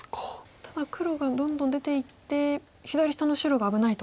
ただ黒がどんどん出ていって左下の白が危ないと。